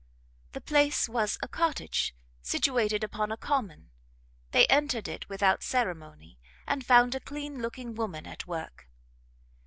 The place was a cottage, situated upon a common; they entered it without ceremony, and found a clean looking woman at work.